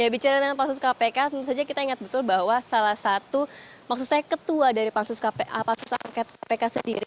bicara dengan pansus kpk tentu saja kita ingat betul bahwa salah satu maksud saya ketua dari pansus angket kpk sendiri